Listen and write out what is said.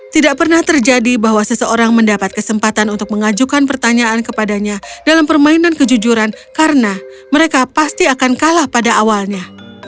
tidak pernah terjadi bahwa seseorang mendapat kesempatan untuk mengajukan pertanyaan kepadanya dalam permainan kejujuran karena mereka pasti akan kalah pada awalnya